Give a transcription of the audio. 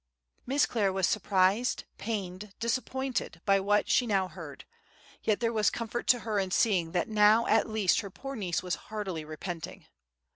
Miss Clare was surprised, pained, disappointed by what she now heard; yet there was comfort to her in seeing that now at least her poor niece was heartily repenting.